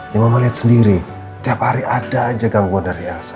ya mama liat sendiri tiap hari ada aja gangguan dari elsa